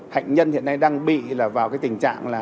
hạnh nhân hiện nay đang bị vào tình trạng